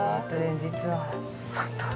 実は３頭。